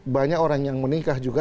banyak orang yang menikah juga